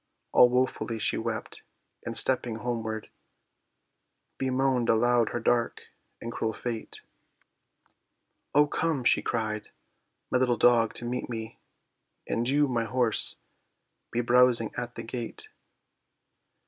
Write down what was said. All woefully she wept, and stepping homeward, Bemoaned aloud her dark and cruel fate; "O, come," she cried, "my little dog to meet me, And you, my horse, be browsing at the gate."